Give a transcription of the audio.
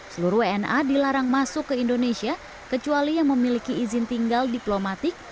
seluruh wna dilarang masuk ke indonesia kecuali yang memiliki izin tinggal diplomatik